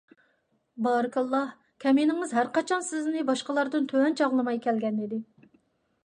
بارىكاللاھ! كەمىنىڭىز ھەرقاچان سىزنى باشقىلاردىن تۆۋەن چاغلىماي كەلگەنىدى.